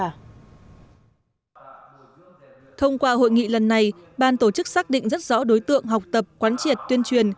thông qua hội nghị lần này ban tổ chức xác định rất rõ đối tượng học tập quán triệt tuyên truyền